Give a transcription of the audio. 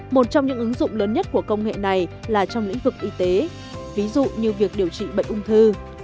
một trong những ứng dụng lớn nhất của công nghệ này là trong lĩnh vực y tế ví dụ như việc điều trị bệnh ung thư